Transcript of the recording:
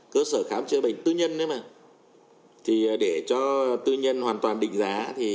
cơ sở khám chữa bệnh tư nhân mà để cho tư nhân hoàn toàn định giá